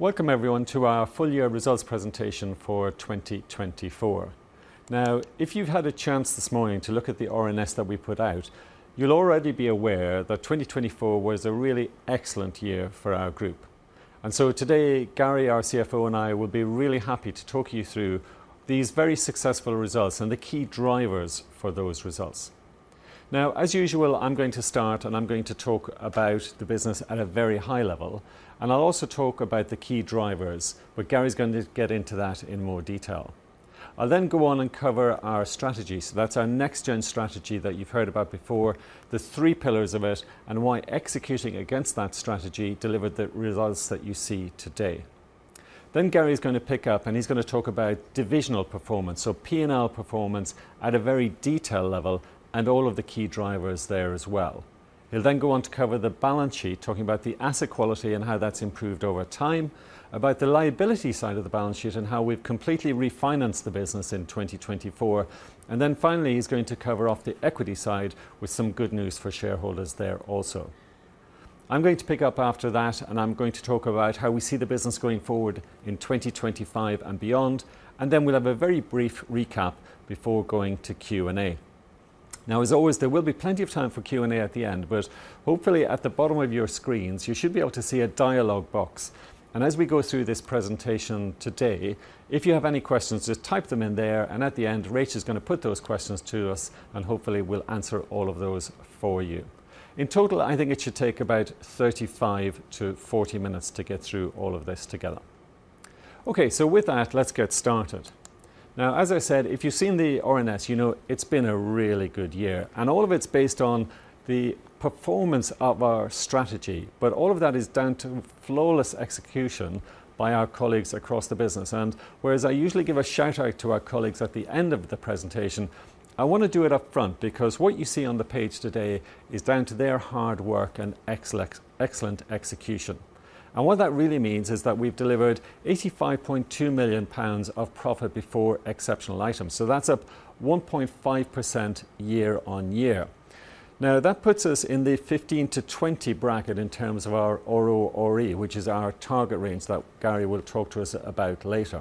Welcome, everyone, to our Full Year Results Presentation for 2024. Now, if you've had a chance this morning to look at the RNS that we put out, you'll already be aware that 2024 was a really excellent year for our group. And so today, Gary, our CFO, and I will be really happy to talk you through these very successful results and the key drivers for those results. Now, as usual, I'm going to start, and I'm going to talk about the business at a very high level, and I'll also talk about the key drivers, but Gary's going to get into that in more detail. I'll then go on and cover our strategy, so that's our Next Gen strategy that you've heard about before, the three pillars of it, and why executing against that strategy delivered the results that you see today. Then Gary's going to pick up, and he's going to talk about divisional performance, so P&L performance at a very detailed level, and all of the key drivers there as well. He'll then go on to cover the balance sheet, talking about the asset quality and how that's improved over time, about the liability side of the balance sheet and how we've completely refinanced the business in 2024. And then finally, he's going to cover off the equity side with some good news for shareholders there also. I'm going to pick up after that, and I'm going to talk about how we see the business going forward in 2025 and beyond. And then we'll have a very brief recap before going to Q&A. Now, as always, there will be plenty of time for Q&A at the end, but hopefully at the bottom of your screens, you should be able to see a dialog box. And as we go through this presentation today, if you have any questions, just type them in there. And at the end, Rachel's going to put those questions to us, and hopefully we'll answer all of those for you. In total, I think it should take about 35-40 minutes to get through all of this together. Okay, so with that, let's get started. Now, as I said, if you've seen the RNS, you know it's been a really good year. And all of it's based on the performance of our strategy, but all of that is down to flawless execution by our colleagues across the business. And whereas I usually give a shout-out to our colleagues at the end of the presentation, I want to do it upfront because what you see on the page today is down to their hard work and excellent execution. And what that really means is that we've delivered 85.2 million pounds of profit before exceptional items. So that's up 1.5% year-on-year. Now, that puts us in the 15% to 20% bracket in terms of our RORE, which is our target range that Gary will talk to us about later.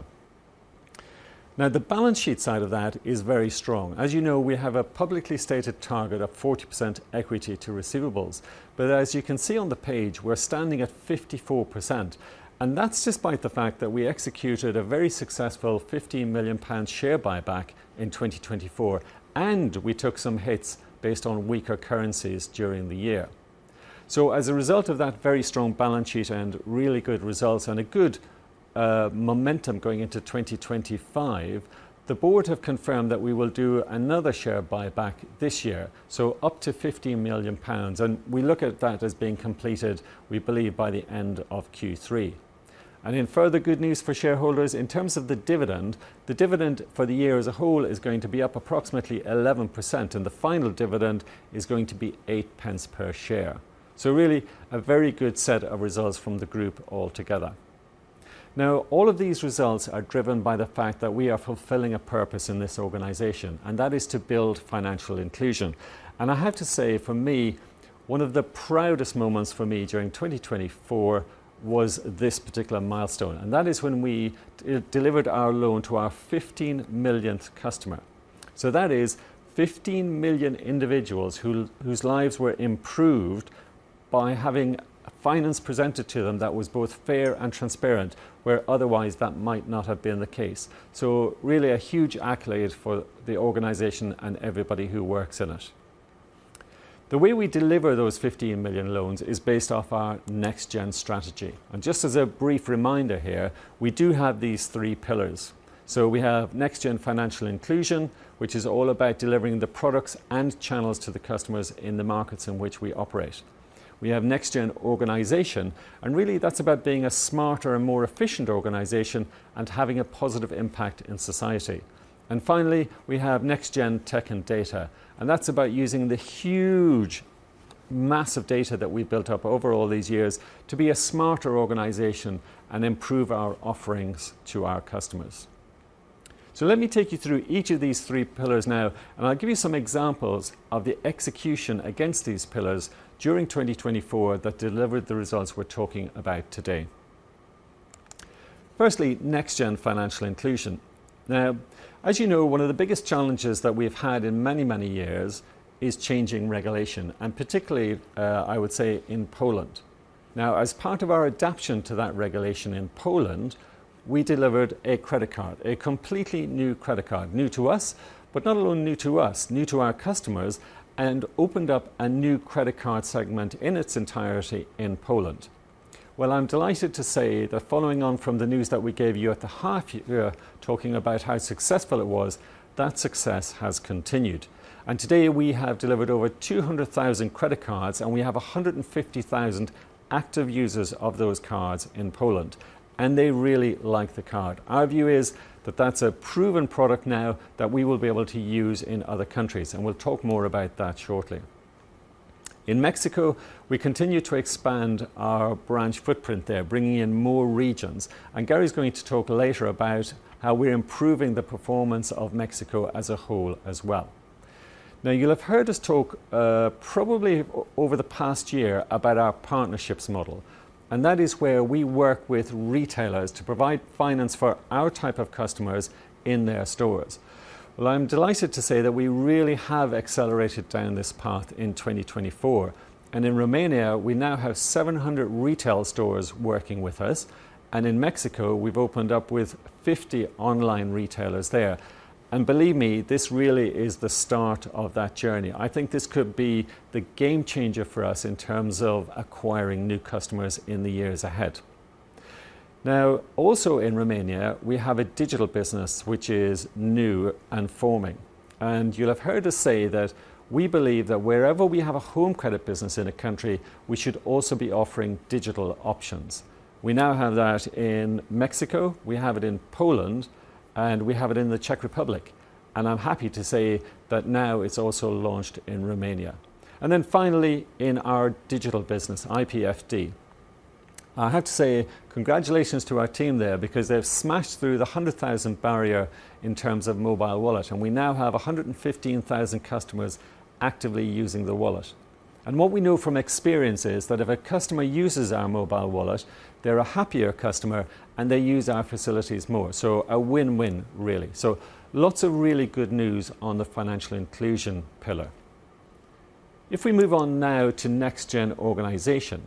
Now, the balance sheet side of that is very strong. As you know, we have a publicly stated target of 40% equity to receivables. But as you can see on the page, we're standing at 54%. And that's despite the fact that we executed a very successful 15 million pounds share buyback in 2024, and we took some hits based on weaker currencies during the year. So as a result of that very strong balance sheet and really good results and a good momentum going into 2025, the board have confirmed that we will do another share buyback this year, so up to 15 million pounds. And we look at that as being completed, we believe, by the end of Q3. And in further good news for shareholders, in terms of the dividend, the dividend for the year as a whole is going to be up approximately 11%, and the final dividend is going to be 8 per share. So really a very good set of results from the group altogether. Now, all of these results are driven by the fact that we are fulfilling a purpose in this organization, and that is to build financial inclusion. I have to say, for me, one of the proudest moments for me during 2024 was this particular milestone, and that is when we delivered our loan to our 15 millionth customer. So that is 15 million individuals whose lives were improved by having finance presented to them that was both fair and transparent, where otherwise that might not have been the case. So really a huge accolade for the organization and everybody who works in it. The way we deliver those 15 million loans is based off our Next Gen Strategy, and just as a brief reminder here, we do have these three pillars. We have Next Gen Financial Inclusion, which is all about delivering the products and channels to the customers in the markets in which we operate. We have Next Gen Organization, and really that's about being a smarter and more efficient organization and having a positive impact in society. Finally, we have Next Gen Tech and Data. That's about using the huge mass of data that we built up over all these years to be a smarter organization and improve our offerings to our customers. Let me take you through each of these three pillars now, and I'll give you some examples of the execution against these pillars during 2024 that delivered the results we're talking about today. Firstly, Next Gen Financial Inclusion. Now, as you know, one of the biggest challenges that we've had in many, many years is changing regulation, and particularly, I would say, in Poland. Now, as part of our adaptation to that regulation in Poland, we delivered a credit card, a completely new credit card, new to us, but not only new to us, new to our customers, and opened up a new credit card segment in its entirety in Poland. I'm delighted to say that following on from the news that we gave you at the half year, talking about how successful it was, that success has continued. Today we have delivered over 200,000 credit cards, and we have 150,000 active users of those cards in Poland. They really like the card. Our view is that that's a proven product now that we will be able to use in other countries. We'll talk more about that shortly. In Mexico, we continue to expand our branch footprint there, bringing in more regions. Gary's going to talk later about how we're improving the performance of Mexico as a whole as well. Now, you'll have heard us talk probably over the past year about our partnerships model. And that is where we work with retailers to provide finance for our type of customers in their stores. I'm delighted to say that we really have accelerated down this path in 2024. And in Romania, we now have 700 retail stores working with us. And in Mexico, we've opened up with 50 online retailers there. And believe me, this really is the start of that journey. I think this could be the game changer for us in terms of acquiring new customers in the years ahead. Now, also in Romania, we have a Digital business which is new and forming. You'll have heard us say that we believe that wherever we have a Home Credit business in a country, we should also be offering Digital options. We now have that in Mexico, we have it in Poland, and we have it in the Czech Republic. I'm happy to say that now it's also launched in Romania. Finally, in our Digital business, IPFD. I have to say, congratulations to our team there because they've smashed through the 100,000 barrier in terms of mobile wallet. We now have 115,000 customers actively using the wallet. What we know from experience is that if a customer uses our mobile wallet, they're a happier customer, and they use our facilities more. It's a win-win, really. Lots of really good news on the financial inclusion pillar. If we move on now to Next Gen Organization,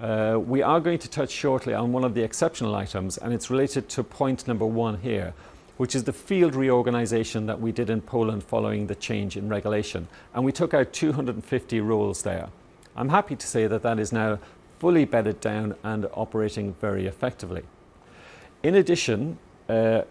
we are going to touch shortly on one of the exceptional items, and it's related to point number one here, which is the field reorganization that we did in Poland following the change in regulation, and we took out 250 roles there. I'm happy to say that that is now fully bedded down and operating very effectively. In addition,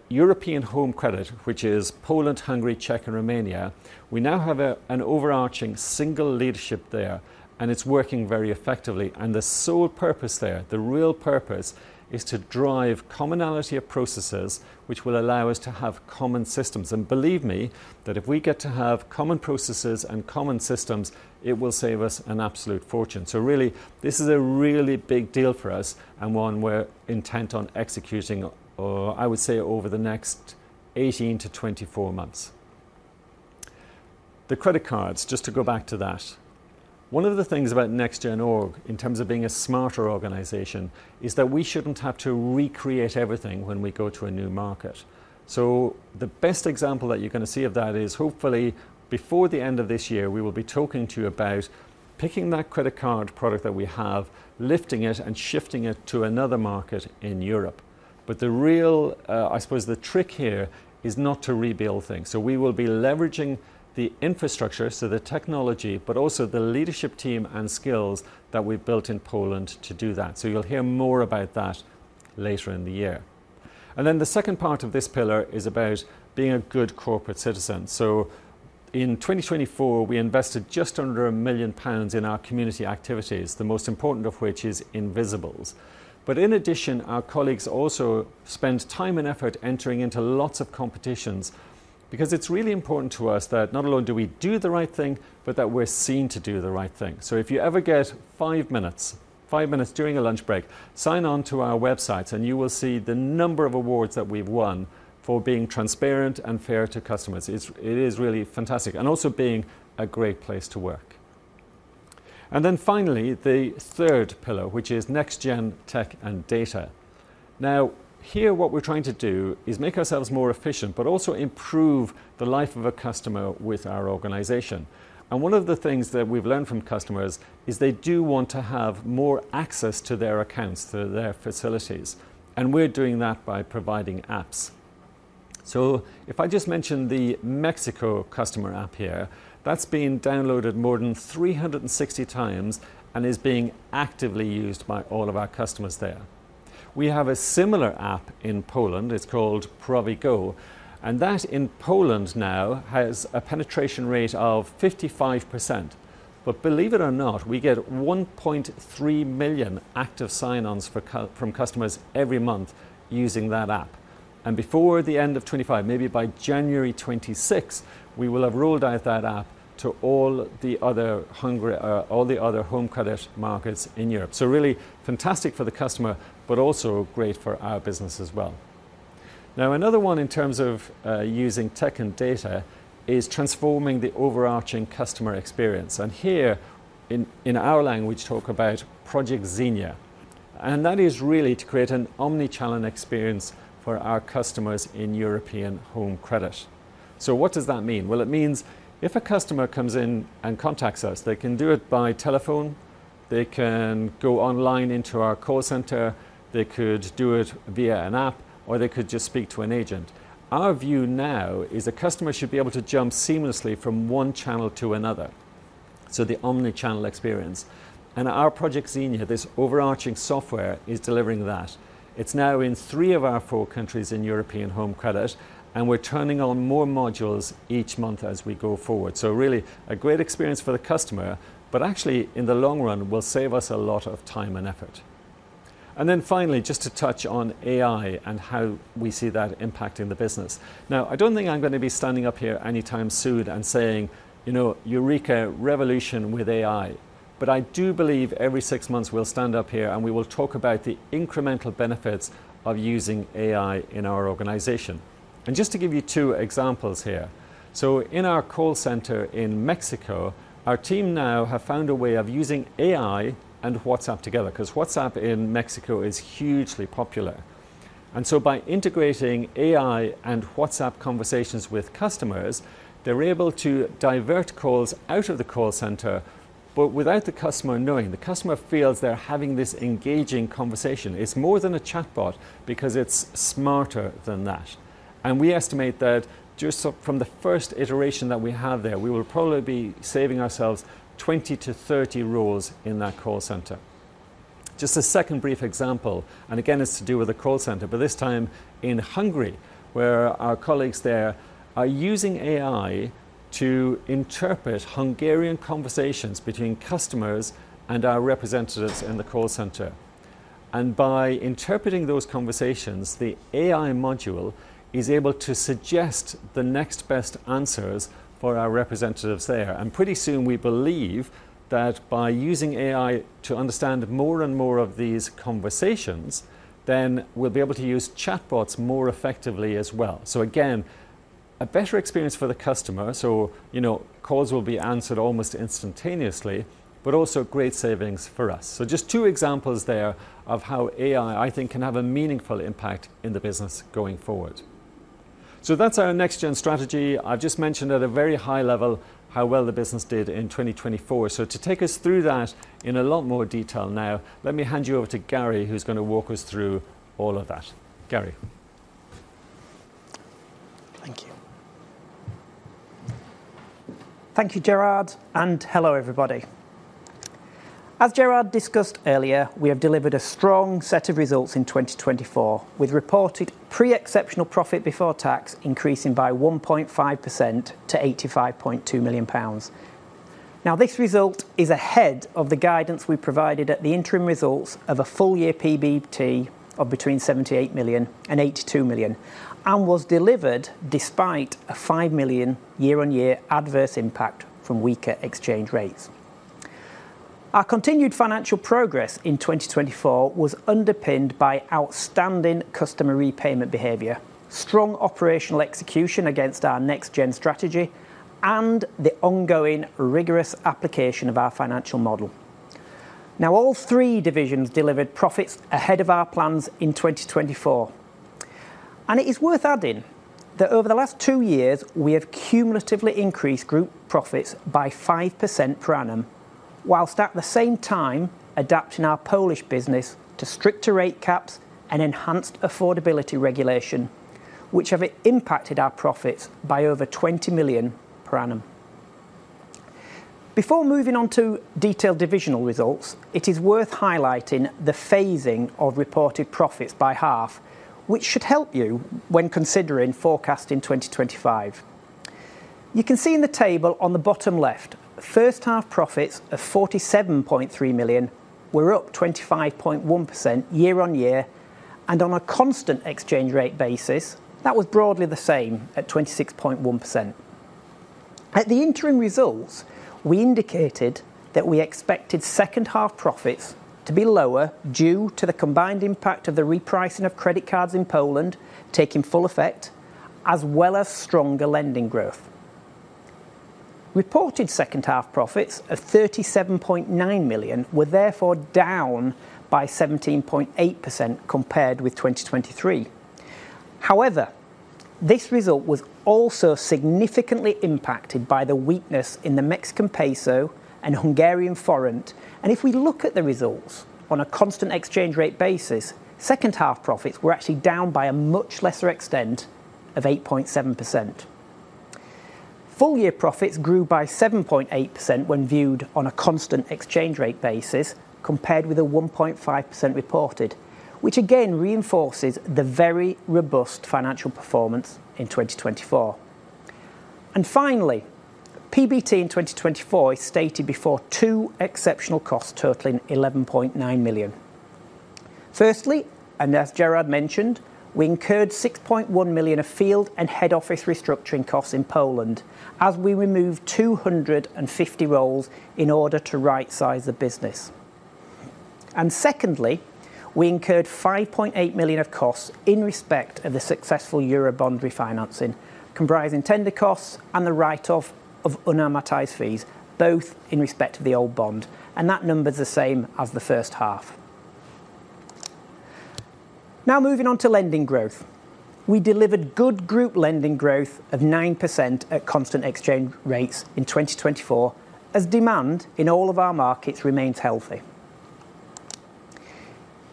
European Home Credit, which is Poland, Hungary, Czech and Romania, we now have an overarching single leadership there, and it's working very effectively, and the sole purpose there, the real purpose, is to drive commonality of processes, which will allow us to have common systems, and believe me that if we get to have common processes and common systems, it will save us an absolute fortune. So really, this is a really big deal for us and one we're intent on executing, I would say, over the next 18 to 24 months. The credit cards, just to go back to that. One of the things about Next Gen org, in terms of being a smarter organization, is that we shouldn't have to recreate everything when we go to a new market. So the best example that you're going to see of that is hopefully before the end of this year, we will be talking to you about picking that credit card product that we have, lifting it, and shifting it to another market in Europe. But the real, I suppose, the trick here is not to rebuild things. So we will be leveraging the infrastructure, so the technology, but also the leadership team and skills that we've built in Poland to do that. You'll hear more about that later in the year. And then the second part of this pillar is about being a good corporate citizen. In 2024, we invested just under 1 million pounds in our community activities, the most important of which is Invisibles. But in addition, our colleagues also spend time and effort entering into lots of competitions because it's really important to us that not only do we do the right thing, but that we're seen to do the right thing. If you ever get five minutes, five minutes during a lunch break, sign on to our website, and you will see the number of awards that we've won for being transparent and fair to customers. It is really fantastic and also being a great place to work. Then finally, the third pillar, which is Next Gen Tech and Data. Now, what we're trying to do is make ourselves more efficient, but also improve the life of a customer with our organization, and one of the things that we've learned from customers is they do want to have more access to their accounts, to their facilities, and we're doing that by providing apps. If I just mention the Mexico customer app here, that's been downloaded more than 360 times and is being actively used by all of our customers there. We have a similar app in Poland. It's called ProviGo, and that in Poland now has a penetration rate of 55%, but believe it or not, we get 1.3 million active sign-ons from customers every month using that app. Before the end of 2025, maybe by January 2026, we will have rolled out that app to all the other Hungary, all the other Home Credit markets in Europe. So really fantastic for the customer, but also great for our business as well. Now, another one in terms of using tech and data is transforming the overarching customer experience. And here in our language, talk about Project Xenia. And that is really to create an omnichannel experience for our customers in European Home Credit. So what does that mean? Well, it means if a customer comes in and contacts us, they can do it by telephone, they can go online into our call center, they could do it via an app, or they could just speak to an agent. Our view now is a customer should be able to jump seamlessly from one channel to another. So the omnichannel experience. And our Project Xenia, this overarching software, is delivering that. It's now in three of our four countries in European Home Credit, and we're turning on more modules each month as we go forward. So really a great experience for the customer, but actually in the long run will save us a lot of time and effort. And then finally, just to touch on AI and how we see that impacting the business. Now, I don't think I'm going to be standing up here anytime soon and saying, "Eureka, revolution with AI." But I do believe every six months we'll stand up here and we will talk about the incremental benefits of using AI in our organization. And just to give you two examples here. So in our call center in Mexico, our team now has found a way of using AI and WhatsApp together because WhatsApp in Mexico is hugely popular. And so by integrating AI and WhatsApp conversations with customers, they're able to divert calls out of the call center, but without the customer knowing. The customer feels they're having this engaging conversation. It's more than a chatbot because it's smarter than that. And we estimate that just from the first iteration that we have there, we will probably be saving ourselves 20 to 30 roles in that call center. Just a second brief example, and again, it's to do with a call center, but this time in Hungary, where our colleagues there are using AI to interpret Hungarian conversations between customers and our representatives in the call center. And by interpreting those conversations, the AI module is able to suggest the next best answers for our representatives there. And pretty soon we believe that by using AI to understand more and more of these conversations, then we'll be able to use chatbots more effectively as well. So again, a better experience for the customer. So calls will be answered almost instantaneously, but also great savings for us. So just two examples there of how AI, I think, can have a meaningful impact in the business going forward. So that's our Next Gen strategy. I've just mentioned at a very high level how well the business did in 2024. So to take us through that in a lot more detail now, let me hand you over to Gary, who's going to walk us through all of that. Gary. Thank you. Thank you, Gerard, and hello, everybody. As Gerard discussed earlier, we have delivered a strong set of results in 2024, with reported pre-exceptional profit before tax increasing by 1.5% to 85.2 million pounds. Now, this result is ahead of the guidance we provided at the interim results of a full year PBT of between 78 and 82 million, and was delivered despite a 5 million year-on-year adverse impact from weaker exchange rates. Our continued financial progress in 2024 was underpinned by outstanding customer repayment behavior, strong operational execution against our Next Gen strategy, and the ongoing rigorous application of our financial model. Now, all three divisions delivered profits ahead of our plans in 2024. It is worth adding that over the last two years, we have cumulatively increased group profits by 5% per annum, while at the same time adapting our Polish business to stricter rate caps and enhanced affordability regulation, which have impacted our profits by over 20 million per annum. Before moving on to detailed divisional results, it is worth highlighting the phasing of reported profits by half, which should help you when considering forecasting 2025. You can see in the table on the bottom left, H1 profits of 47.3 million were up 25.1% year-on-year, and on a constant exchange rate basis, that was broadly the same at 26.1%. At the interim results, we indicated that we expected H2 profits to be lower due to the combined impact of the repricing of credit cards in Poland taking full effect, as well as stronger lending growth. Reported H2 profits of 37.9 million were therefore down by 17.8% compared with 2023. However, this result was also significantly impacted by the weakness in the Mexican Peso and Hungarian forint. And if we look at the results on a constant exchange rate basis, H2 profits were actually down by a much lesser extent of 8.7%. Full year profits grew by 7.8% when viewed on a constant exchange rate basis compared with a 1.5% reported, which again reinforces the very robust financial performance in 2024. And finally, PBT in 2024 is stated before two exceptional costs totaling 11.9 million. Firstly, and as Gerard mentioned, we incurred 6.1 million of field and head office restructuring costs in Poland as we removed 250 roles in order to right-size the business. And secondly, we incurred 5.8 million of costs in respect of the successful Eurobond refinancing, comprising tender costs and the write-off of unamortized fees, both in respect of the old bond. And that number is the same as the first half. Now moving on to lending growth. We delivered good group lending growth of 9% at constant exchange rates in 2024 as demand in all of our markets remains healthy.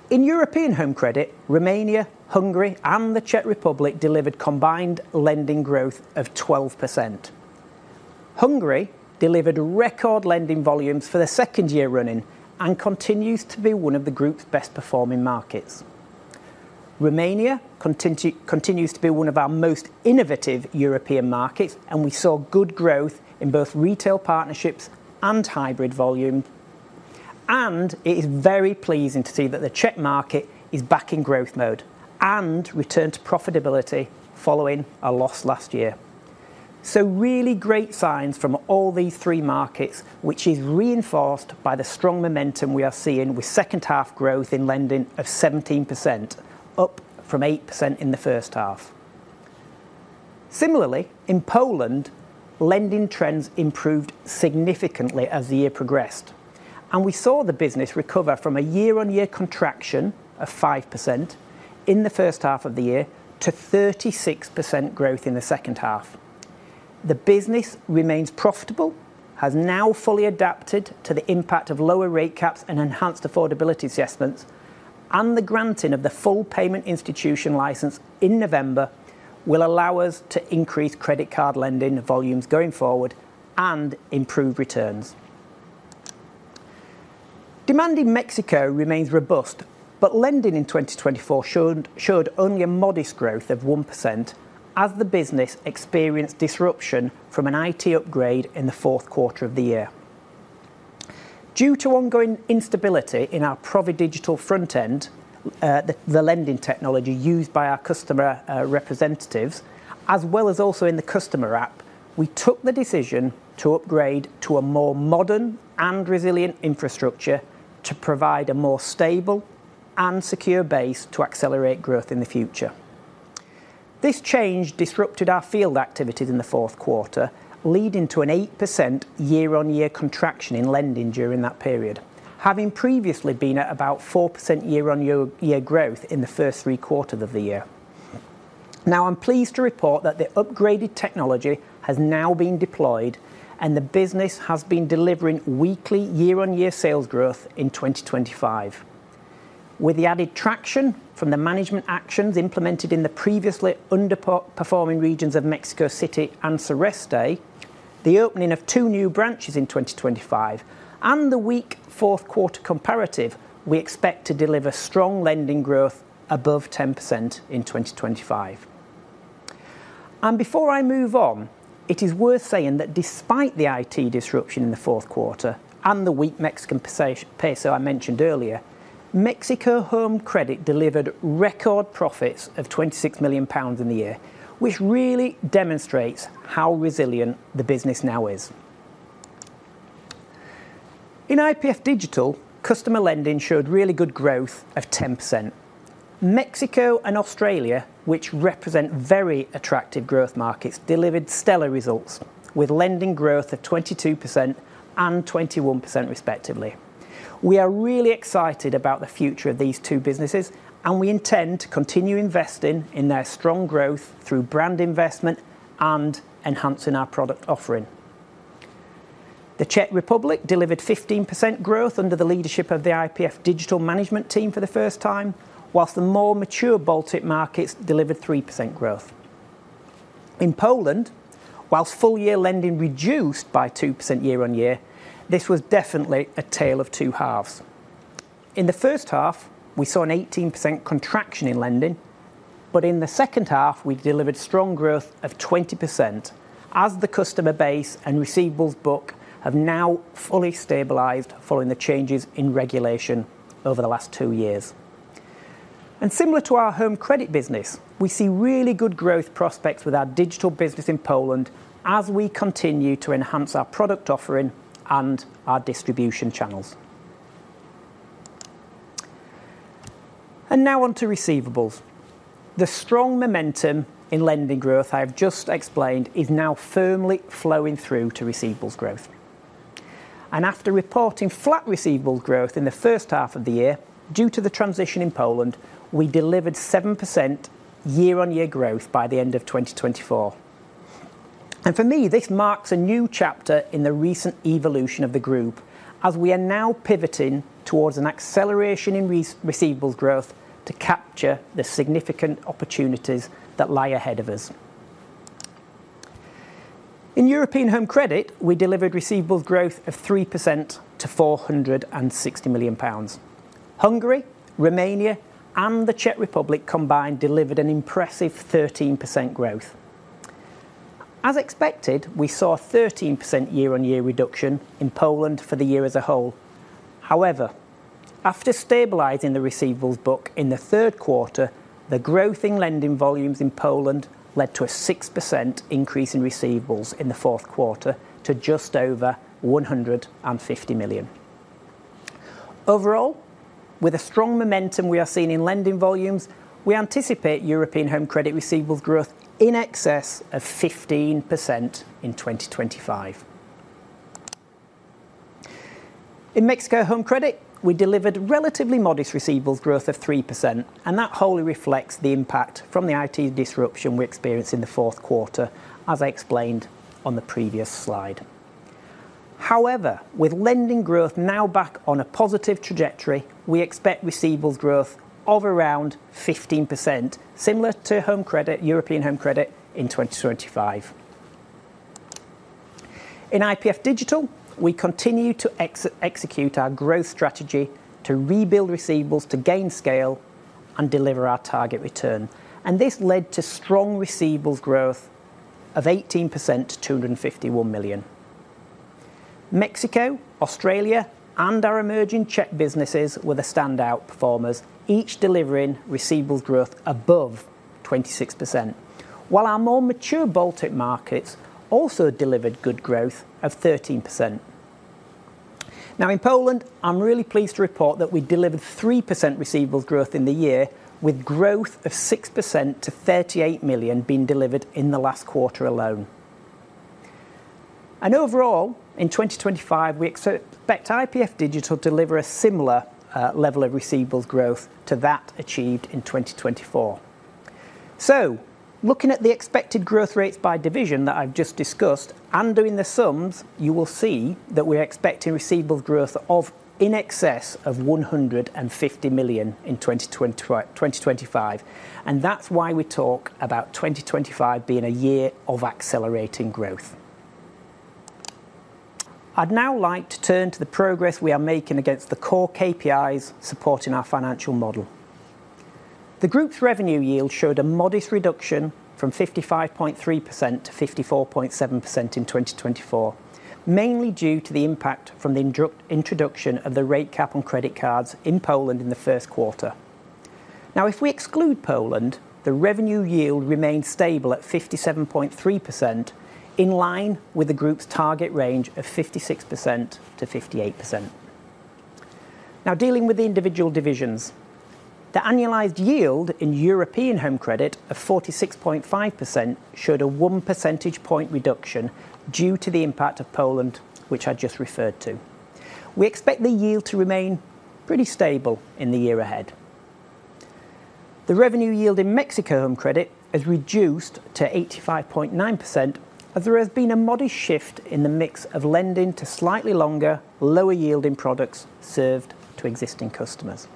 In European Home Credit, Romania, Hungary, and the Czech Republic delivered combined lending growth of 12%. Hungary delivered record lending volumes for the second year running and continues to be one of the group's best performing markets. Romania continues to be one of our most innovative European markets, and we saw good growth in both retail partnerships and hybrid volume. And it is very pleasing to see that the Czech market is back in growth mode and returned to profitability following a loss last year. So really great signs from all these three markets, which is reinforced by the strong momentum we are seeing with H2 growth in lending of 17%, up from 8% in the H1. Similarly, in Poland, lending trends improved significantly as the year progressed, and we saw the business recover from a year-on-year contraction of 5% in the H1 of the year to 36% growth in the H2. The business remains profitable, has now fully adapted to the impact of lower rate caps and enhanced affordability assessments, and the granting of the full payment institution license in November will allow us to increase credit card lending volumes going forward and improve returns. Demand in Mexico remains robust, but lending in 2024 showed only a modest growth of 1% as the business experienced disruption from an IT upgrade in Q4 of the year. Due to ongoing instability in our Provi Digital front end, the lending technology used by our customer representatives, as well as in the customer app, we took the decision to upgrade to a more modern and resilient infrastructure to provide a more stable and secure base to accelerate growth in the future. This change disrupted our field activities in Q4, leading to an 8% year-on-year contraction in lending during that period, having previously been at about 4% year-on-year growth in the first three quarters of the year. Now, I'm pleased to report that the upgraded technology has now been deployed, and the business has been delivering weekly year-on-year sales growth in 2025. With the added traction from the management actions implemented in the previously underperforming regions of Mexico City and Sureste, the opening of two new branches in 2025, and the weak Q4 comparative, we expect to deliver strong lending growth above 10% in 2025. Before I move on, it is worth saying that despite the IT disruption in Q4 and the weak Mexican Peso I mentioned earlier, Mexico Home Credit delivered record profits of 26 million pounds in the year, which really demonstrates how resilient the business now is. In IPF Digital, customer lending showed really good growth of 10%. Mexico and Australia, which represent very attractive growth markets, delivered stellar results with lending growth of 22% and 21% respectively. We are really excited about the future of these two businesses, and we intend to continue investing in their strong growth through brand investment and enhancing our product offering. The Czech Republic delivered 15% growth under the leadership of the IPF Digital management team for the first time, whilst the more mature Baltic markets delivered 3% growth. In Poland, whilst full year lending reduced by 2% year-on-year, this was definitely a tale of two halves. In theH1, we saw an 18% contraction in lending, but in the H2, we delivered strong growth of 20% as the customer base and receivables book have now fully stabilized following the changes in regulation over the last two years. And similar to our Home Credit business, we see really good growth prospects with our Digital business in Poland as we continue to enhance our product offering and our distribution channels. Now on to receivables. The strong momentum in lending growth I have just explained is now firmly flowing through to receivables growth. After reporting flat receivables growth in the H1 of the year due to the transition in Poland, we delivered 7% year-on-year growth by the end of 2024. For me, this marks a new chapter in the recent evolution of the group as we are now pivoting towards an acceleration in receivables growth to capture the significant opportunities that lie ahead of us. In European Home Credit, we delivered receivables growth of 3% to 460 million pounds. Hungary, Romania, and the Czech Republic combined delivered an impressive 13% growth. As expected, we saw a 13% year-on-year reduction in Poland for the year as a whole. However, after stabilizing the receivables book in the Q3, the growth in lending volumes in Poland led to a 6% increase in receivables in the Q4 to just over 150 million. Overall, with the strong momentum we are seeing in lending volumes, we anticipate European Home Credit receivables growth in excess of 15% in 2025. In Mexico Home Credit, we delivered relatively modest receivables growth of 3%, and that wholly reflects the impact from the IT disruption we experienced in Q4, as I explained on the previous slide. However, with lending growth now back on a positive trajectory, we expect receivables growth of around 15%, similar to Home Credit, European Home Credit in 2025. In IPF Digital, we continue to execute our growth strategy to rebuild receivables to gain scale and deliver our target return. This led to strong receivables growth of 18% to 251 million. Mexico, Australia, and our emerging Czech businesses were the standout performers, each delivering receivables growth above 26%, while our more mature Baltic markets also delivered good growth of 13%. Now, in Poland, I'm really pleased to report that we delivered 3% receivables growth in the year, with growth of 6% to 38 million being delivered in the last quarter alone. Overall, in 2025, we expect IPF Digital to deliver a similar level of receivables growth to that achieved in 2024. Looking at the expected growth rates by division that I've just discussed and doing the sums, you will see that we're expecting receivables growth of in excess of 150 million in 2025. That's why we talk about 2025 being a year of accelerating growth. I'd now like to turn to the progress we are making against the core KPIs supporting our financial model. The group's revenue yield showed a modest reduction from 55.3% to 54.7% in 2024, mainly due to the impact from the introduction of the rate cap on credit cards in Poland in Q1. Now, if we exclude Poland, the revenue yield remained stable at 57.3%, in line with the group's target range of 56% to 58%. Now, dealing with the individual divisions, the annualized yield in European Home Credit of 46.5% showed a 1 percentage point reduction due to the impact of Poland, which I just referred to. We expect the yield to remain pretty stable in the year ahead. The revenue yield in Mexico Home Credit has reduced to 85.9%, as there has been a modest shift in the mix of lending to slightly longer, lower yielding products served to existing customers.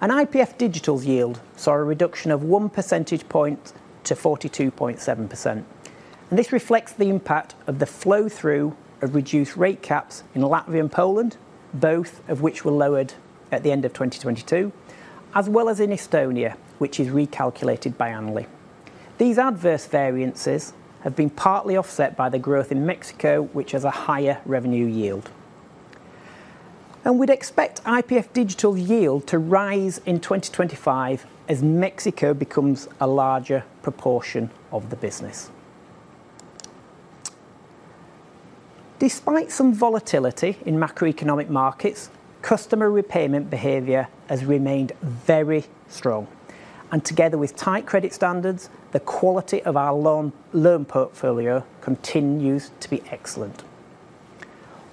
And IPF Digital's yield saw a reduction of 1 percentage point to 42.7%. And this reflects the impact of the flow-through of reduced rate caps in Latvia and Poland, both of which were lowered at the end of 2022, as well as in Estonia, which is recalculated biannually. These adverse variances have been partly offset by the growth in Mexico, which has a higher revenue yield. And we'd expect IPF Digital's yield to rise in 2025 as Mexico becomes a larger proportion of the business. Despite some volatility in macroeconomic markets, customer repayment behavior has remained very strong. And together with tight credit standards, the quality of our loan portfolio continues to be excellent.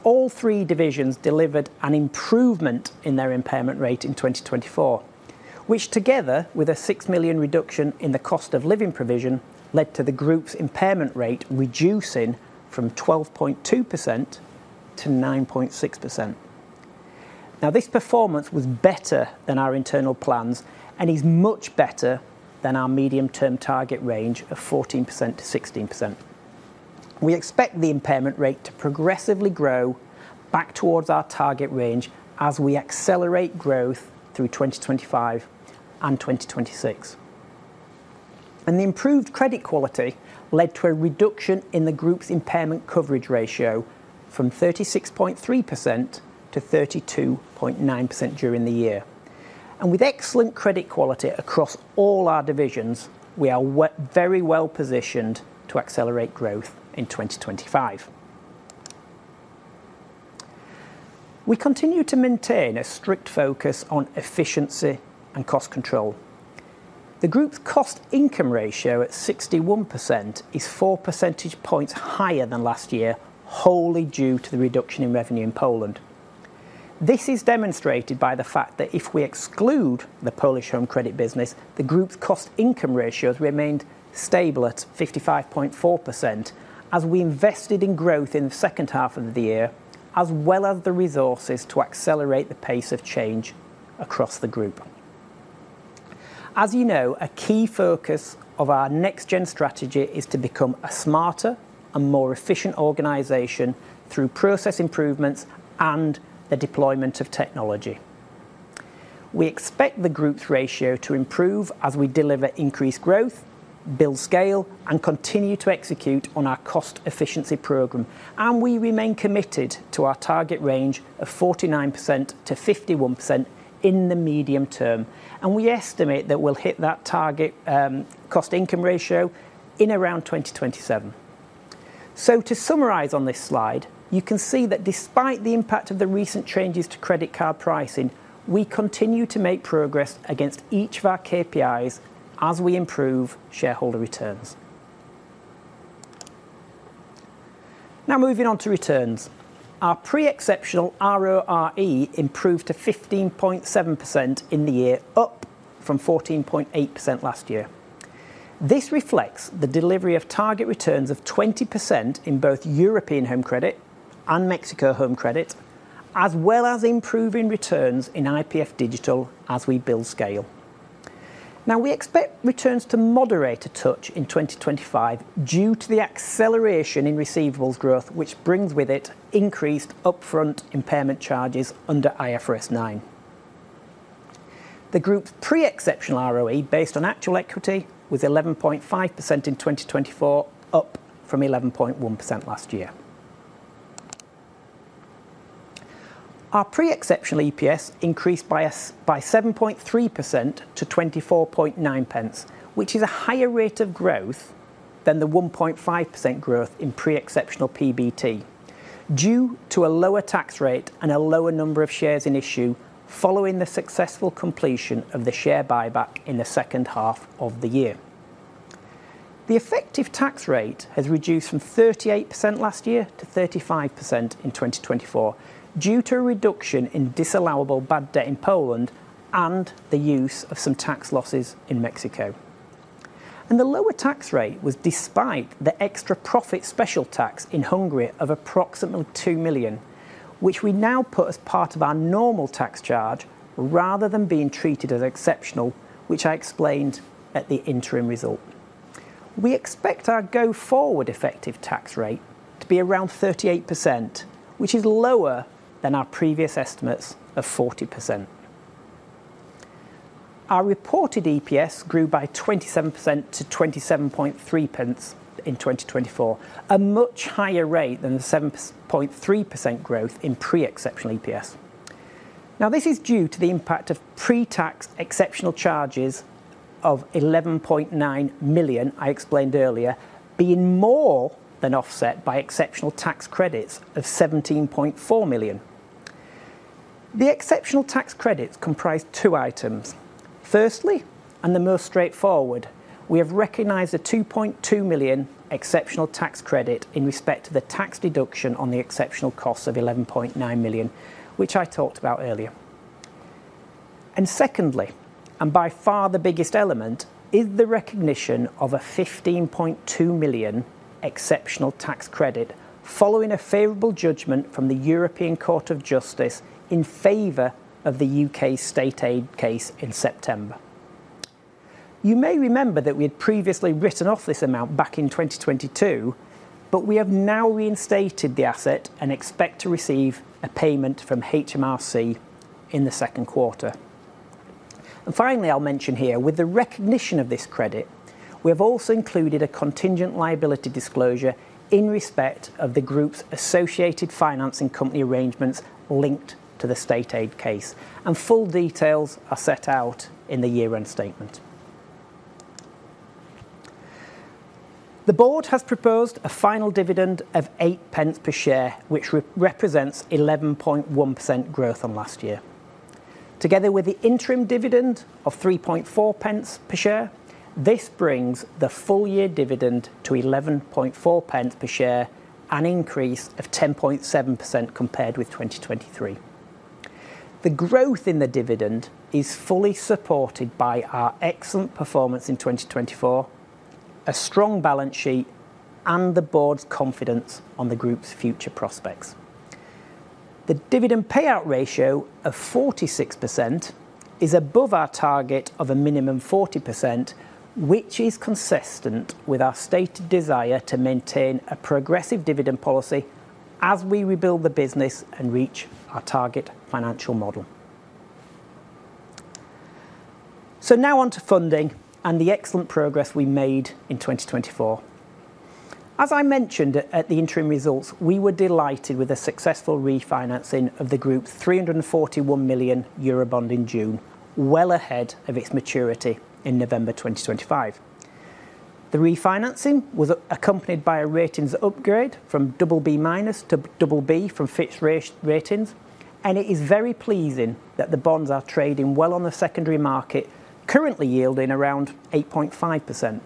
All three divisions delivered an improvement in their impairment rate in 2024, which together with a 6 million reduction in the cost of living provision led to the group's impairment rate reducing from 12.2% to 9.6%. Now, this performance was better than our internal plans and is much better than our medium-term target range of 14% to 16%. We expect the impairment rate to progressively grow back towards our target range as we accelerate growth through 2025 and 2026. And the improved credit quality led to a reduction in the group's impairment coverage ratio from 36.3% to 32.9% during the year. And with excellent credit quality across all our divisions, we are very well positioned to accelerate growth in 2025. We continue to maintain a strict focus on efficiency and cost control. The group's cost-income ratio at 61% is 4 percentage points higher than last year, wholly due to the reduction in revenue in Poland. This is demonstrated by the fact that if we exclude the Polish Home Credit business, the group's cost-income ratios remained stable at 55.4% as we invested in growth in the H2 of the year, as well as the resources to accelerate the pace of change across the group. As you know, a key focus of our Next Gen strategy is to become a smarter and more efficient organization through process improvements and the deployment of technology. We expect the group's ratio to improve as we deliver increased growth, build scale, and continue to execute on our cost-efficiency program. We remain committed to our target range of 49% to 51% in the medium term. We estimate that we'll hit that target cost-income ratio in around 2027. To summarize on this slide, you can see that despite the impact of the recent changes to credit card pricing, we continue to make progress against each of our KPIs as we improve shareholder returns. Now, moving on to returns, our pre-exceptional RORE improved to 15.7% in the year, up from 14.8% last year. This reflects the delivery of target returns of 20% in both European Home Credit and Mexico Home Credit, as well as improving returns in IPF Digital as we build scale. Now, we expect returns to moderate a touch in 2025 due to the acceleration in receivables growth, which brings with it increased upfront impairment charges under IFRS 9. The group's pre-exceptional ROE, based on actual equity, was 11.5% in 2024, up from 11.1% last year. Our pre-exceptional EPS increased by 7.3% to 0.249, which is a higher rate of growth than the 1.5% growth in pre-exceptional PBT, due to a lower tax rate and a lower number of shares in issue following the successful completion of the share buyback in the H2 of the year. The effective tax rate has reduced from 38% last year to 35% in 2024, due to a reduction in disallowable bad debt in Poland and the use of some tax losses in Mexico. The lower tax rate was despite the extra profit special tax in Hungary of approximately 2 million, which we now put as part of our normal tax charge rather than being treated as exceptional, which I explained at the interim result. We expect our go forward effective tax rate to be around 38%, which is lower than our previous estimates of 40%. Our reported EPS grew by 27% to 0.273 in 2024, a much higher rate than the 7.3% growth in pre-exceptional EPS. Now, this is due to the impact of pre-taxed exceptional charges of 11.9 million, I explained earlier, being more than offset by exceptional tax credits of 17.4 million. The exceptional tax credits comprise two items. Firstly, and the most straightforward, we have recognized a 2.2 million exceptional tax credit in respect to the tax deduction on the exceptional cost of 11.9 million, which I talked about earlier. And secondly, and by far the biggest element, is the recognition of a 15.2 million exceptional tax credit following a favorable judgment from the European Court of Justice in favor of the UK state aid case in September. You may remember that we had previously written off this amount back in 2022, but we have now reinstated the asset and expect to receive a payment from HMRC in the Q2. And finally, I'll mention here, with the recognition of this credit, we have also included a contingent liability disclosure in respect of the group's associated financing company arrangements linked to the state aid case. And full details are set out in the year-end statement. The board has proposed a final dividend of 0.08 per share, which represents 11.1% growth on last year. Together with the interim dividend of 0.034 per share, this brings the full year dividend to 0.114 per share, an increase of 10.7% compared with 2023. The growth in the dividend is fully supported by our excellent performance in 2024, a strong balance sheet, and the board's confidence on the group's future prospects. The dividend payout ratio of 46% is above our target of a minimum 40%, which is consistent with our stated desire to maintain a progressive dividend policy as we rebuild the business and reach our target financial model. So now on to funding and the excellent progress we made in 2024. As I mentioned at the interim results, we were delighted with the successful refinancing of the group's 341 million Eurobond in June, well ahead of its maturity in November 2025. The refinancing was accompanied by a ratings upgrade from BB minus to BB from Fitch Ratings, and it is very pleasing that the bonds are trading well on the secondary market, currently yielding around 8.5%.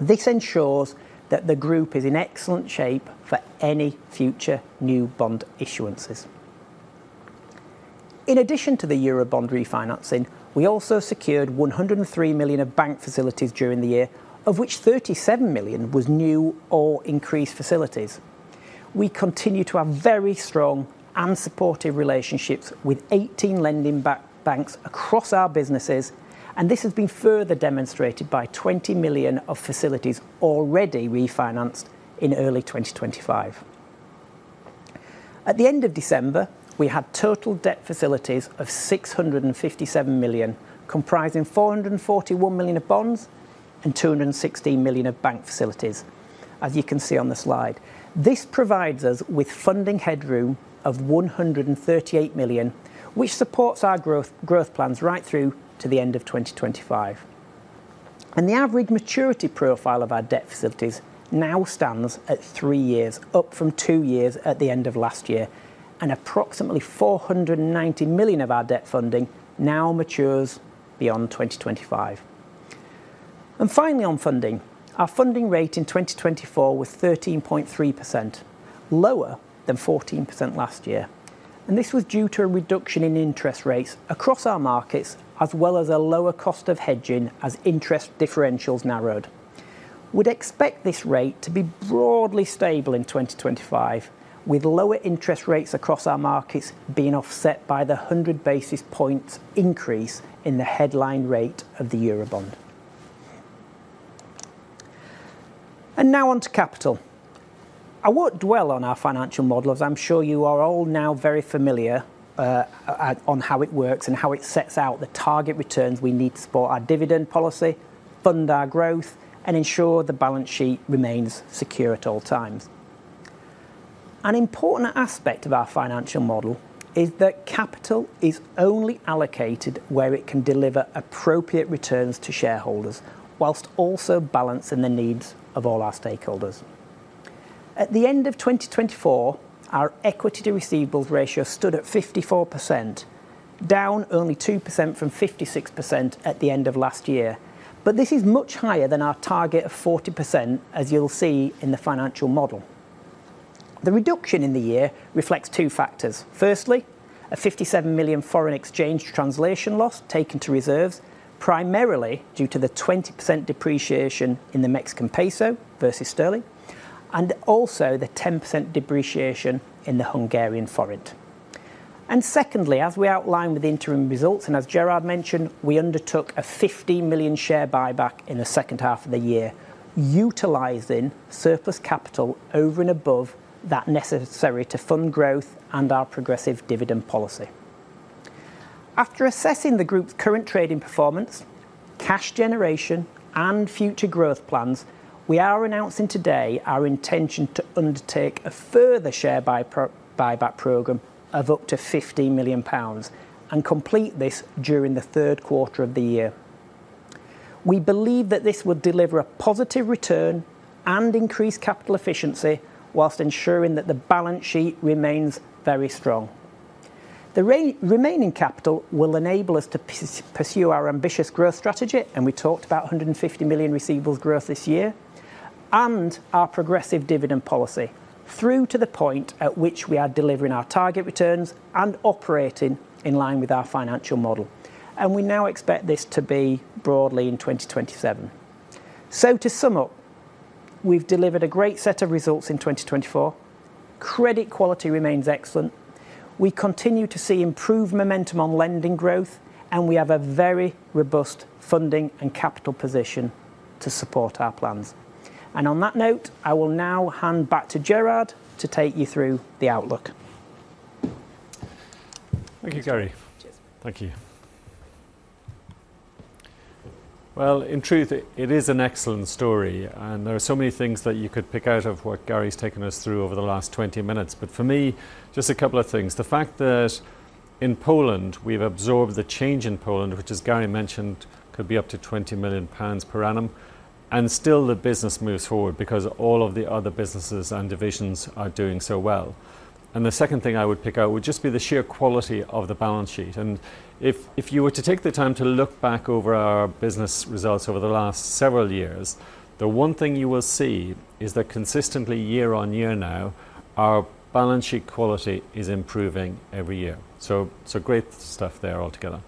This ensures that the group is in excellent shape for any future new bond issuances. In addition to the Eurobond refinancing, we also secured 103 million of bank facilities during the year, of which 37 million was new or increased facilities. We continue to have very strong and supportive relationships with 18 lending banks across our businesses, and this has been further demonstrated by 20 million of facilities already refinanced in early 2025. At the end of December, we had total debt facilities of 657 million, comprising 441 million of bonds and 216 million of bank facilities, as you can see on the slide. This provides us with funding headroom of 138 million, which supports our growth plans right through to the end of 2025. The average maturity profile of our debt facilities now stands at three years, up from two years at the end of last year, and approximately 490 million of our debt funding now matures beyond 2025. Finally, on funding, our funding rate in 2024 was 13.3%, lower than 14% last year. This was due to a reduction in interest rates across our markets, as well as a lower cost of hedging as interest differentials narrowed. We'd expect this rate to be broadly stable in 2025, with lower interest rates across our markets being offset by the 100 basis points increase in the headline rate of the Eurobond. Now on to capital. I won't dwell on our financial model, as I'm sure you are all now very familiar on how it works and how it sets out the target returns we need to support our dividend policy, fund our growth, and ensure the balance sheet remains secure at all times. An important aspect of our financial model is that capital is only allocated where it can deliver appropriate returns to shareholders, while also balancing the needs of all our stakeholders. At the end of 2024, our equity-to-receivables ratio stood at 54%, down only 2% from 56% at the end of last year. But this is much higher than our target of 40%, as you'll see in the financial model. The reduction in the year reflects two factors. Firstly, a 57 million foreign exchange translation loss taken to reserves, primarily due to the 20% depreciation in the Mexican Peso versus Sterling, and also the 10% depreciation in the Hungarian forint. And secondly, as we outlined with interim results, and as Gerard mentioned, we undertook a 15 million share buyback in the H2 of the year, utilizing surplus capital over and above that necessary to fund growth and our progressive dividend policy. After assessing the group's current trading performance, cash generation, and future growth plans, we are announcing today our intention to undertake a further share buyback program of up to 15 million pounds and complete this during the Q3 of the year. We believe that this will deliver a positive return and increase capital efficiency whilst ensuring that the balance sheet remains very strong. The remaining capital will enable us to pursue our ambitious growth strategy, and we talked about 150 million receivables growth this year, and our progressive dividend policy, through to the point at which we are delivering our target returns and operating in line with our financial model. We now expect this to be broadly in 2027. To sum up, we've delivered a great set of results in 2024. Credit quality remains excellent. We continue to see improved momentum on lending growth, and we have a very robust funding and capital position to support our plans, and on that note, I will now hand back to Gerard to take you through the outlook. Thank you, Gary. Thank you. Well, in truth, it is an excellent story, and there are so many things that you could pick out of what Gary's taken us through over the last 20 minutes. But for me, just a couple of things. The fact that in Poland, we've absorbed the change in Poland, which, as Gary mentioned, could be up to 20 million pounds per annum, and still the business moves forward because all of the other businesses and divisions are doing so well. And the second thing I would pick out would just be the sheer quality of the balance sheet. And if you were to take the time to look back over our business results over the last several years, the one thing you will see is that consistently year-on-year now, our balance sheet quality is improving every year. So great stuff there altogether.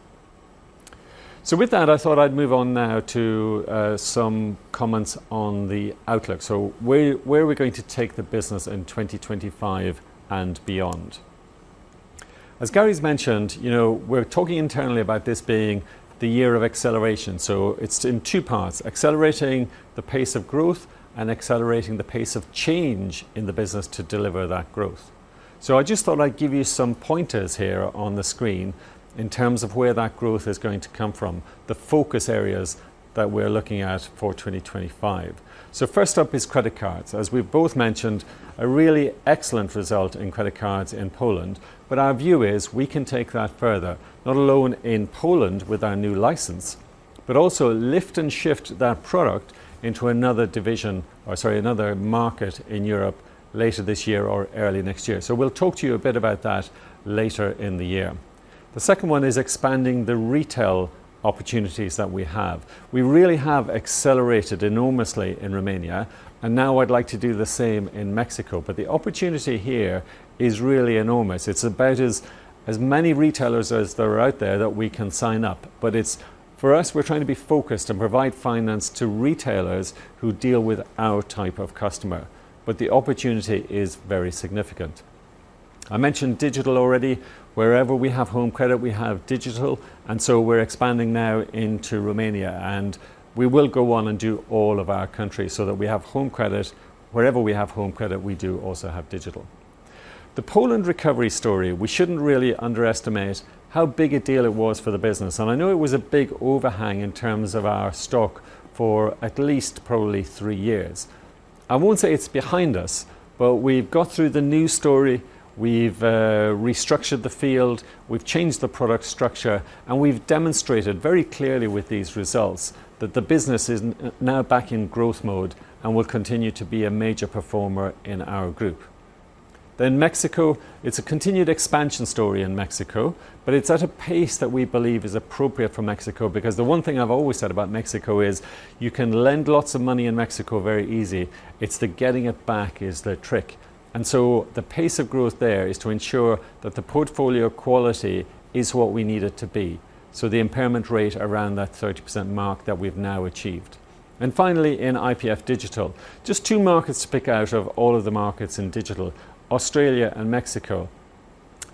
So with that, I thought I'd move on now to some comments on the outlook. So where are we going to take the business in 2025 and beyond? As Gary's mentioned, we're talking internally about this being the year of acceleration. So it's in two parts: accelerating the pace of growth and accelerating the pace of change in the business to deliver that growth. So I just thought I'd give you some pointers here on the screen in terms of where that growth is going to come from, the focus areas that we're looking at for 2025. So first up is credit cards. As we've both mentioned, a really excellent result in credit cards in Poland, but our view is we can take that further, not alone in Poland with our new license, but also lift and shift that product into another division, or sorry, another market in Europe later this year or early next year. So we'll talk to you a bit about that later in the year. The second one is expanding the retail opportunities that we have. We really have accelerated enormously in Romania, and now I'd like to do the same in Mexico, but the opportunity here is really enormous. It's about as many retailers as there are out there that we can sign up, but for us, we're trying to be focused and provide finance to retailers who deal with our type of customer. But the opportunity is very significant. I mentioned Digital already. Wherever we have Home Credit, we have Digital, and so we're expanding now into Romania, and we will go on and do all of our countries so that we have Home Credit. Wherever we have Home Credit, we do also have Digital. The Poland recovery story, we shouldn't really underestimate how big a deal it was for the business. I know it was a big overhang in terms of our stock for at least probably three years. I won't say it's behind us, but we've got through the news story. We've restructured the field. We've changed the product structure, and we've demonstrated very clearly with these results that the business is now back in growth mode and will continue to be a major performer in our group. Mexico, it's a continued expansion story in Mexico, but it's at a pace that we believe is appropriate for Mexico because the one thing I've always said about Mexico is you can lend lots of money in Mexico very easy. It's the getting it back is the trick. And so the pace of growth there is to ensure that the portfolio quality is what we need it to be. So the impairment rate around that 30% mark that we've now achieved. And finally, in IPF Digital, just two markets to pick out of all of the markets in Digital, Australia and Mexico.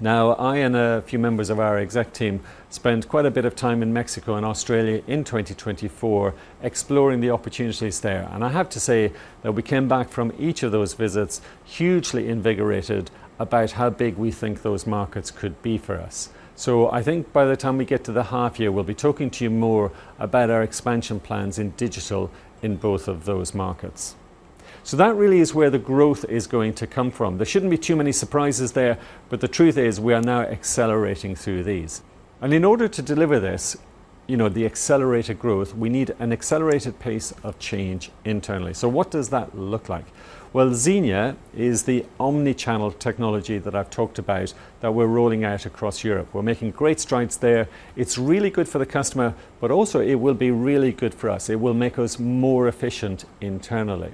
Now, I and a few members of our exec team spent quite a bit of time in Mexico and Australia in 2024 exploring the opportunities there. And I have to say that we came back from each of those visits hugely invigorated about how big we think those markets could be for us. So I think by the time we get to the half year, we'll be talking to you more about our expansion plans in Digital in both of those markets. So that really is where the growth is going to come from. There shouldn't be too many surprises there, but the truth is we are now accelerating through these. In order to deliver this, the accelerated growth, we need an accelerated pace of change internally. What does that look like? Xenia is the omnichannel technology that I've talked about that we're rolling out across Europe. We're making great strides there. It's really good for the customer, but also it will be really good for us. It will make us more efficient internally.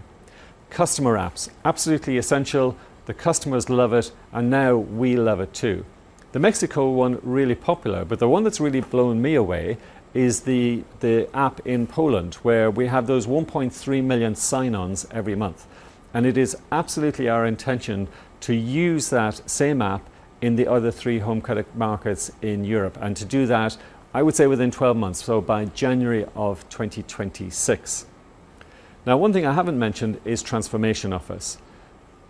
Customer apps, absolutely essential. The customers love it, and now we love it too. The Mexico one is really popular, but the one that's really blown me away is the app in Poland where we have those 1.3 million sign-ons every month. It is absolutely our intention to use that same app in the other three Home Credit markets in Europe. To do that, I would say within 12 months, so by January of 2026. Now, one thing I haven't mentioned is Transformation Office.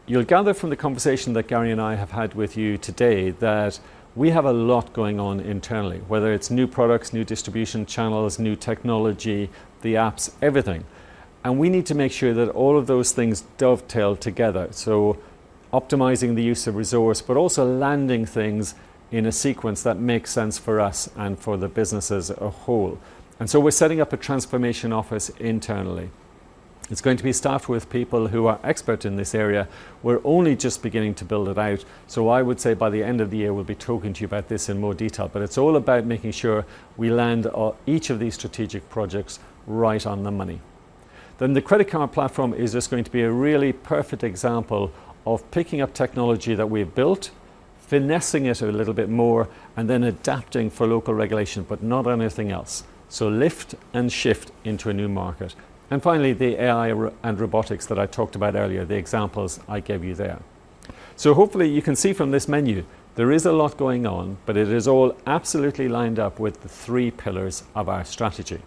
You'll gather from the conversation that Gary and I have had with you today that we have a lot going on internally, whether it's new products, new distribution channels, new technology, the apps, everything, and we need to make sure that all of those things dovetail together, so optimizing the use of resource, but also landing things in a sequence that makes sense for us and for the businesses as a whole, and so we're setting up a Transformation Office internally. It's going to be staffed with people who are experts in this area. We're only just beginning to build it out, so I would say by the end of the year, we'll be talking to you about this in more detail, but it's all about making sure we land each of these strategic projects right on the money. Then the credit card platform is just going to be a really perfect example of picking up technology that we've built, finessing it a little bit more, and then adapting for local regulation, but not on anything else. So lift and shift into a new market. And finally, the AI and robotics that I talked about earlier, the examples I gave you there. So hopefully you can see from this menu, there is a lot going on, but it is all absolutely lined up with the three pillars of our strategy.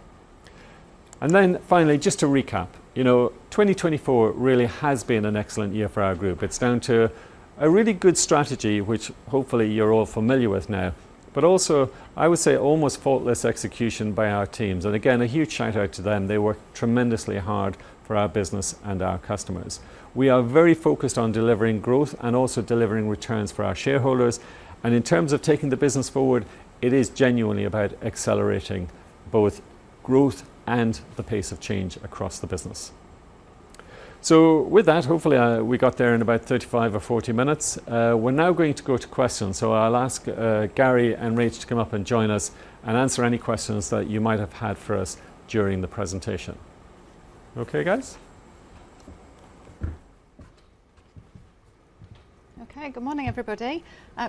And then finally, just to recap, 2024 really has been an excellent year for our group. It's down to a really good strategy, which hopefully you're all familiar with now, but also I would say almost faultless execution by our teams. And again, a huge shout out to them. They work tremendously hard for our business and our customers. We are very focused on delivering growth and also delivering returns for our shareholders. And in terms of taking the business forward, it is genuinely about accelerating both growth and the pace of change across the business. So with that, hopefully we got there in about 35 or 40 minutes. We're now going to go to questions. So I'll ask Gary and Rachel to come up and join us and answer any questions that you might have had for us during the presentation. Okay, guys? Okay, good morning, everybody.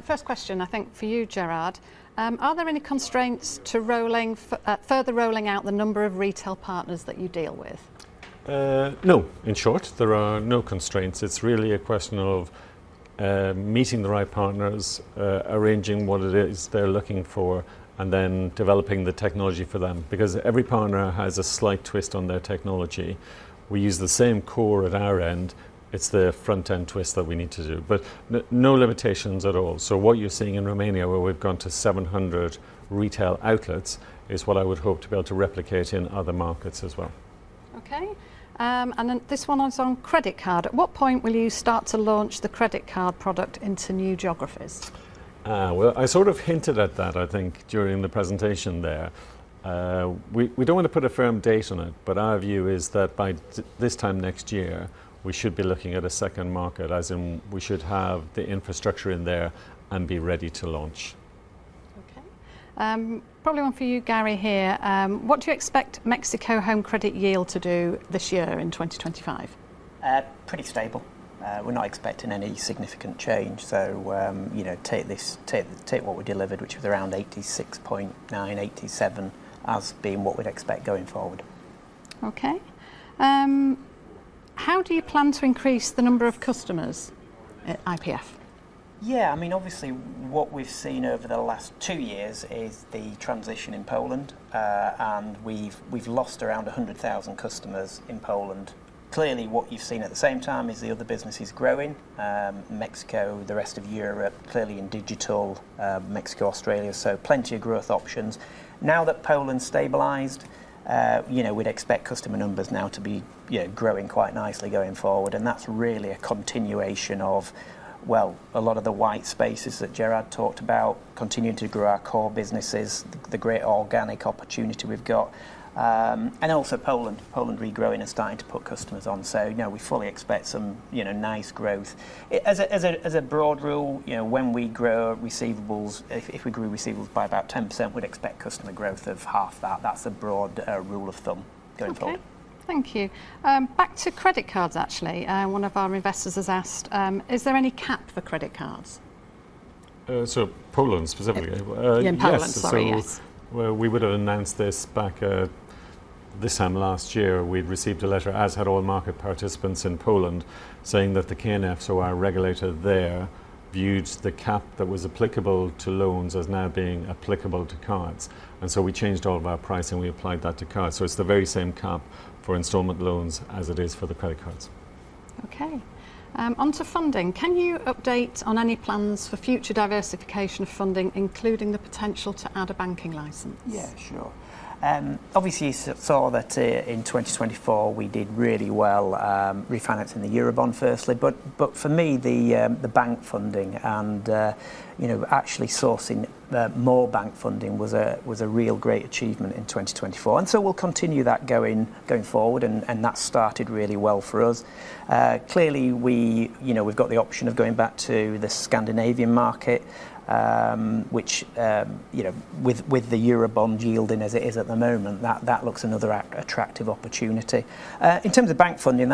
First question, I think for you, Gerard. Are there any constraints to further rolling out the number of retail partners that you deal with? No, in short, there are no constraints. It's really a question of meeting the right partners, arranging what it is they're looking for, and then developing the technology for them because every partner has a slight twist on their technology. We use the same core at our end. It's the front-end twist that we need to do, but no limitations at all. So what you're seeing in Romania, where we've gone to 700 retail outlets, is what I would hope to be able to replicate in other markets as well. Okay. And then this one is on credit card. At what point will you start to launch the credit card product into new geographies? Well, I sort of hinted at that, I think, during the presentation there. We don't want to put a firm date on it, but our view is that by this time next year, we should be looking at a second market, as in we should have the infrastructure in there and be ready to launch. Okay. Probably one for you, Gary here. What do you expect Mexico Home Credit yield to do this year in 2025? Pretty stable. We're not expecting any significant change. So take what we delivered, which was around 86.9% to 87%, as being what we'd expect going forward. Okay. How do you plan to increase the number of customers at IPF? Yeah, I mean, obviously, what we've seen over the last two years is the transition in Poland, and we've lost around 100,000 customers in Poland. Clearly, what you've seen at the same time is the other businesses growing: Mexico, the rest of Europe, clearly in Digital, Mexico, Australia. So plenty of growth options. Now that Poland's stabilized, we'd expect customer numbers now to be growing quite nicely going forward. And that's really a continuation of, well, a lot of the white spaces that Gerard talked about, continuing to grow our core businesses, the great organic opportunity we've got. And also Poland, Poland regrowing and starting to put customers on. So no, we fully expect some nice growth. As a broad rule, when we grow receivables, if we grew receivables by about 10%, we'd expect customer growth of half that. That's a broad rule of thumb going forward. Okay. Thank you. Back to credit cards, actually. One of our investors has asked, is there any cap for credit cards? So Poland specifically. Yeah, Poland, sorry. We would have announced this back this time last year. We'd received a letter, as had all market participants in Poland, saying that the KNF, so our regulator there, viewed the cap that was applicable to loans as now being applicable to cards, and so we changed all of our pricing. We applied that to cards, so it's the very same cap for installment loans as it is for the credit cards. Okay. Onto funding. Can you update on any plans for future diversification of funding, including the potential to add a banking license? Yeah, sure. Obviously, you saw that in 2024, we did really well refinancing the Eurobond firstly, but for me, the bank funding and actually sourcing more bank funding was a real great achievement in 2024, and so we'll continue that going forward, and that started really well for us. Clearly, we've got the option of going back to the Scandinavian market, which with the Eurobond yielding as it is at the moment, that looks another attractive opportunity. In terms of bank funding,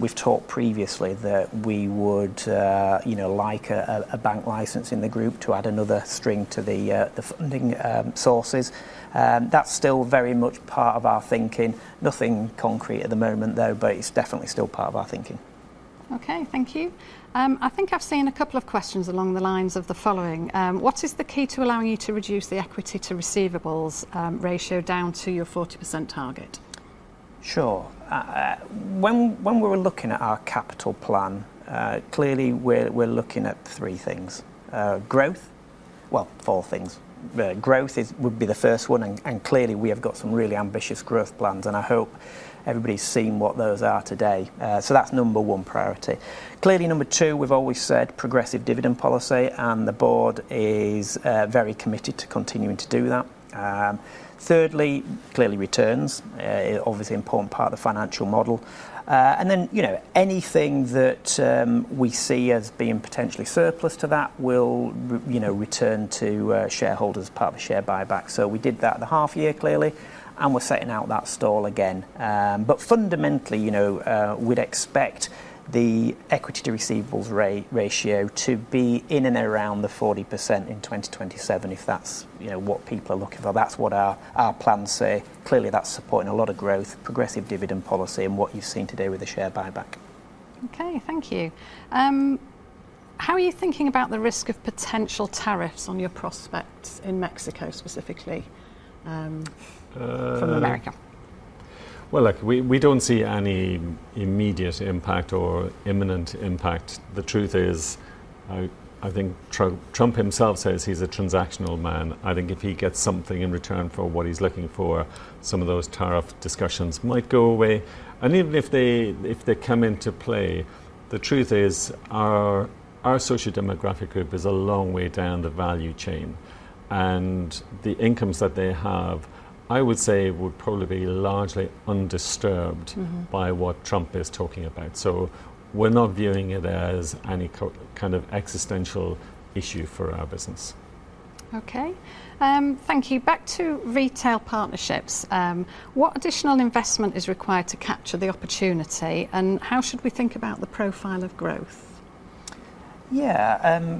we've talked previously that we would like a bank license in the group to add another string to the funding sources. That's still very much part of our thinking. Nothing concrete at the moment, though, but it's definitely still part of our thinking. Okay, thank you. I think I've seen a couple of questions along the lines of the following. What is the key to allowing you to reduce the equity-to-receivables ratio down to your 40% target? Sure. When we were looking at our capital plan, clearly, we're looking at three things. Growth, well, four things. Growth would be the first one, and clearly, we have got some really ambitious growth plans, and I hope everybody's seen what those are today. So that's number one priority. Clearly, number two, we've always said progressive dividend policy, and the board is very committed to continuing to do that. Thirdly, clearly, returns are obviously an important part of the financial model. And then anything that we see as being potentially surplus to that will return to shareholders as part of the share buyback. So we did that the half year, clearly, and we're setting out that stall again. But fundamentally, we'd expect the equity-to-receivables ratio to be in and around the 40% in 2027, if that's what people are looking for. That's what our plans say. Clearly, that's supporting a lot of growth, progressive dividend policy, and what you've seen today with the share buyback. Okay, thank you. How are you thinking about the risk of potential tariffs on your prospects in Mexico specifically from America? Well, look, we don't see any immediate impact or imminent impact. The truth is, I think Trump himself says he's a transactional man. I think if he gets something in return for what he's looking for, some of those tariff discussions might go away. And even if they come into play, the truth is our sociodemographic group is a long way down the value chain, and the incomes that they have, I would say, would probably be largely undisturbed by what Trump is talking about. So we're not viewing it as any kind of existential issue for our business. Okay. Thank you. Back to retail partnerships. What additional investment is required to capture the opportunity, and how should we think about the profile of growth? Yeah,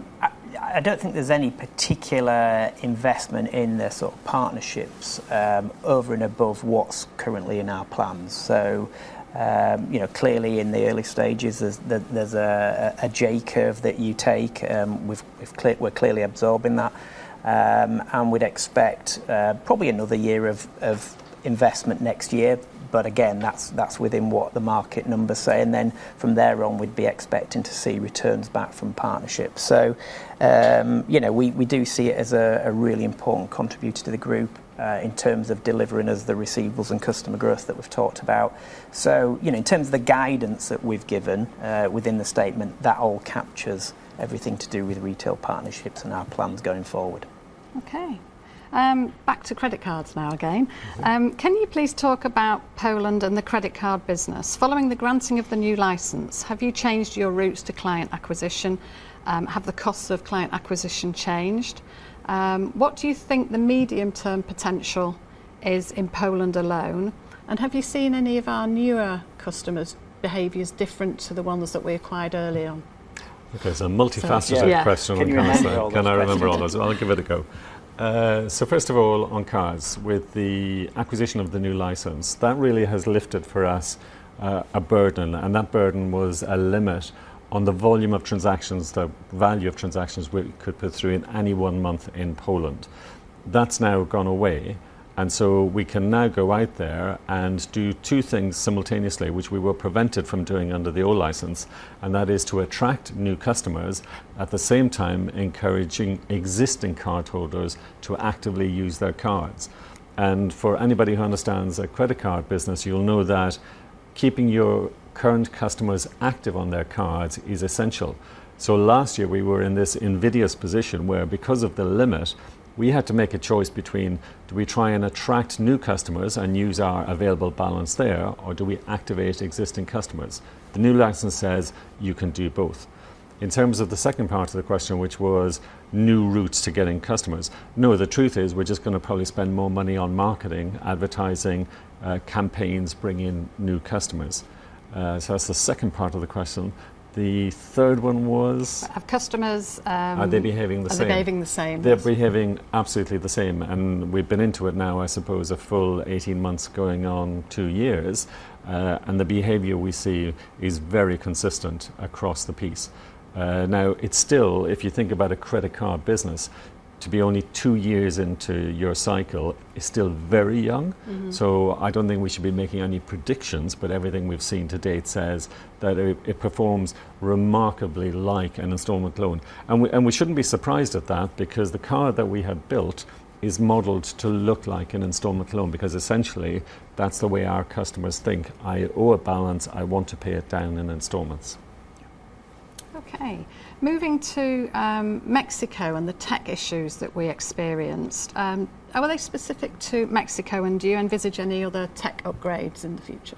I don't think there's any particular investment in the sort of partnerships over and above what's currently in our plans. So clearly, in the early stages, there's a J-curve that you take. We're clearly absorbing that, and we'd expect probably another year of investment next year. But again, that's within what the market numbers say. And then from there on, we'd be expecting to see returns back from partnerships. So we do see it as a really important contributor to the group in terms of delivering us the receivables and customer growth that we've talked about. So in terms of the guidance that we've given within the statement, that all captures everything to do with retail partnerships and our plans going forward. Okay. Back to credit cards now again. Can you please talk about Poland and the credit card business? Following the granting of the new license, have you changed your routes to client acquisition? Have the costs of client acquisition changed? What do you think the medium-term potential is? in Poland alone. And have you seen any of our newer customers' behaviors different to the ones that we acquired early on? Okay, so multifaceted question. Can I remember all those? I'll give it a go. So first of all, on cards, with the acquisition of the new license, that really has lifted for us a burden, and that burden was a limit on the volume of transactions, the value of transactions we could put through in any one month in Poland. That's now gone away. And so we can now go out there and do two things simultaneously, which we were prevented from doing under the old license, and that is to attract new customers at the same time encouraging existing cardholders to actively use their cards. And for anybody who understands a credit card business, you'll know that keeping your current customers active on their cards is essential. So last year, we were in this invidious position where, because of the limit, we had to make a choice between do we try and attract new customers and use our available balance there, or do we activate existing customers? The new license says you can do both. In terms of the second part of the question, which was new routes to getting customers, no, the truth is we're just going to probably spend more money on marketing, advertising, campaigns, bringing in new customers. That's the second part of the question. The third one was? Are customers behaving the same? Are they behaving the same? They're behaving absolutely the same. And we've been into it now, I suppose, a full 18 months going on two years, and the behavior we see is very consistent across the piece. Now, it's still, if you think about a credit card business, to be only two years into your cycle is still very young. So I don't think we should be making any predictions, but everything we've seen to date says that it performs remarkably like an installment loan. And we shouldn't be surprised at that because the card that we have built is modeled to look like an installment loan because essentially that's the way our customers think. I owe a balance. I want to pay it down in installments. Okay. Moving to Mexico and the tech issues that we experienced, are they specific to Mexico, and do you envision any other tech upgrades in the future?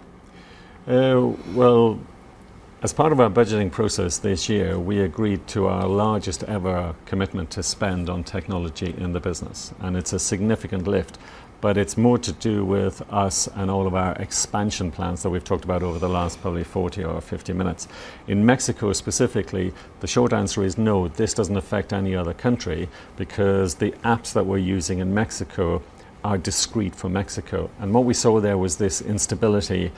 As part of our budgeting process this year, we agreed to our largest ever commitment to spend on technology in the business, and it's a significant lift, but it's more to do with us and all of our expansion plans that we've talked about over the last probably 40 or 50 minutes. In Mexico specifically, the short answer is no. This doesn't affect any other country because the apps that we're using in Mexico are discrete for Mexico. What we saw there was this instability,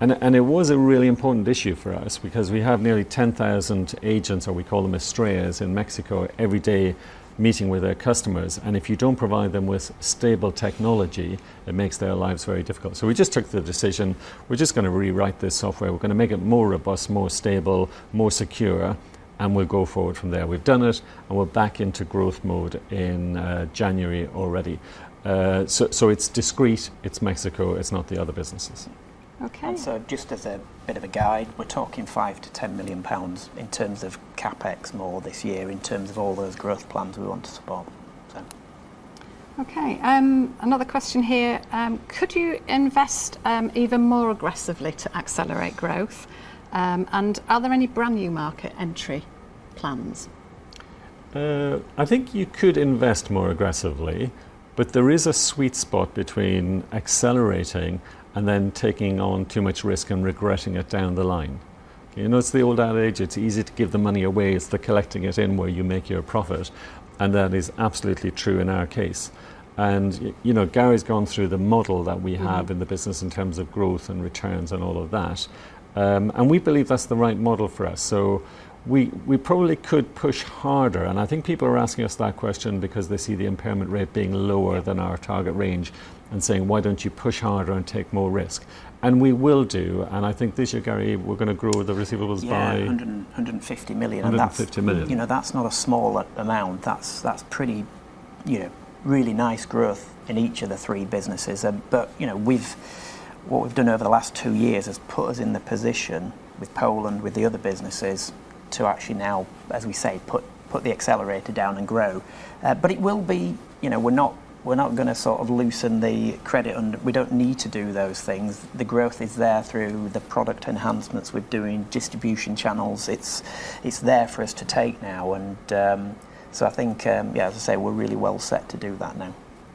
and it was a really important issue for us because we have nearly 10,000 agents, or we call them Estrella. In Mexico every day meeting with their customers and if you don't provide them with stable technology, it makes their lives very difficult. So we just took the decision, we're just going to rewrite this software. We're going to make it more robust, more stable, more secure, and we'll go forward from there. We've done it, and we're back into growth mode in January already. So it's discrete, it's Mexico, it's not the other businesses. Okay. Also, just as a bit of a guide, we're talking 5 to 10 million in terms of CapEx more this year in terms of all those growth plans we want to support. Okay. Another question here. Could you invest even more aggressively to accelerate growth? And are there any brand new market entry plans? I think you could invest more aggressively, but there is a sweet spot between accelerating and then taking on too much risk and regretting it down the line. It's the old adage, it's easy to give the money away if they're collecting it in where you make your profit, and that is absolutely true in our case. And Gary's gone through the model that we have in the business in terms of growth and returns and all of that, and we believe that's the right model for us. So we probably could push harder, and I think people are asking us that question because they see the impairment rate being lower than our target range and saying, "Why don't you push harder and take more risk?" And we will do, and I think this year, Gary, we're going to grow the receivables by 150 million. Yeah, 150 million. That's not a small amount. That's pretty really nice growth in each of the three businesses. But what we've done over the last two years has put us in the position with Poland, with the other businesses, to actually now, as we say, put the accelerator down and grow. But it will be, we're not going to sort of loosen the credit, and we don't need to do those things. The growth is there through the product enhancements we're doing, distribution channels. It's there for us to take now. And so I think, yeah, as I say, we're really well set to do that now.